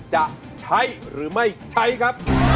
จะใช้หรือไม่ใช้ครับ